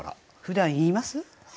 ふだん言います？